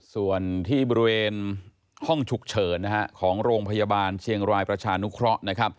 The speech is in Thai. ส่วนที่บริเวณห้องฉุกเฉินของโรงพยาบาลเชียงรายประชานุเคราะห์นะครับ